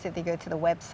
jika anda pergi ke laman web